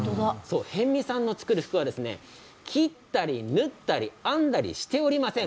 逸見さんの作る服は切ったり縫ったり編んだりしておりません。